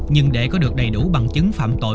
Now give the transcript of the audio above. nhưng để có được đầy đủ bằng chứng phạm tội